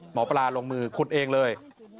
หมอปลาลงมือขุดเองเลย